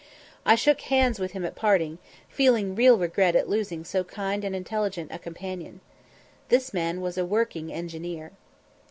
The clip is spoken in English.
I shook hands with him at parting, feeling real regret at losing so kind and intelligent a companion. This man was a working engineer.